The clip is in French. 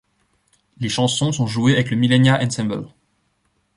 Les chansons sont jouées avec le Millennia Ensemble.